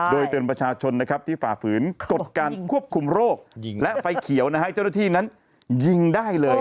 โดยเตือนประชาชนนะครับที่ฝ่าฝืนกฎการควบคุมโรคและไฟเขียวนะฮะเจ้าหน้าที่นั้นยิงได้เลย